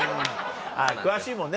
詳しいもんね